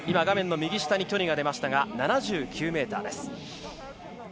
画面の右下に距離が出ましたが７９ｍです。